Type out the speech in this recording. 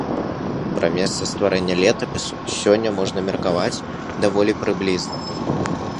Пра месца стварэння летапісу сёння можна меркаваць даволі прыблізна.